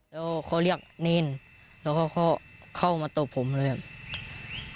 แล้วเขาเรียกเนนแล้วก็เข้ามาตรงผมเลยครับ